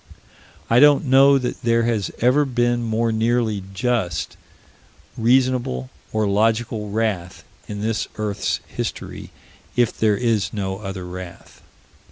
I don't know that there has ever been more nearly just, reasonable, or logical wrath, in this earth's history if there is no other wrath.